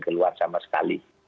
keluar sama sekali